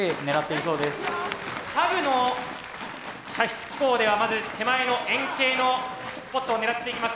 サブの射出機構ではまず手前の円形のスポットを狙っていきます。